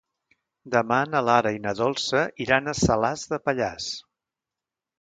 Demà na Lara i na Dolça iran a Salàs de Pallars.